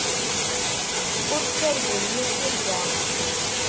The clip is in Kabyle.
Ur ttargun yir tirga.